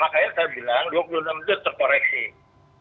kan kita mesti ngomong satu satu